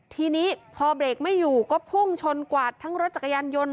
ทีนี้พอเบรกไม่อยู่ก็พุ่งชนกวาดทั้งรถจักรยานยนต์